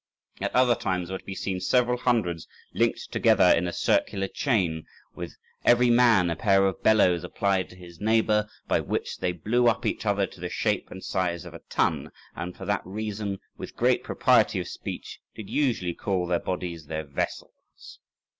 At other times were to be seen several hundreds linked together in a circular chain, with every man a pair of bellows applied to his neighbour, by which they blew up each other to the shape and size of a tun; and for that reason with great propriety of speech did usually call their bodies their vessels {119b}.